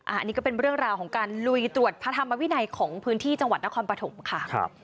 อันนี้ก็เป็นเรื่องราวของการลุยตรวจพระธรรมวินัยของพื้นที่จังหวัดนครปฐมค่ะ